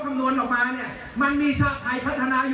คุณวราวุฒิศิลปะอาชาหัวหน้าภักดิ์ชาติไทยพัฒนา